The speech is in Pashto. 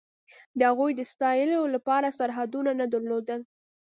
د هغوی د ستایلو لپاره سرحدونه نه درلودل.